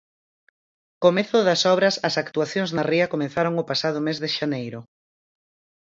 Comezo das obras As actuacións na ría comezaron o pasado mes de xaneiro.